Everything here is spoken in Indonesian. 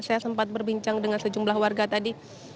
saya sempat berbincang dengan sejumlah warga tadi